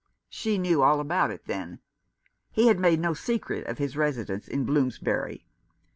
She knew all about it, then! He had made no secret of his residence in Bloomsbury.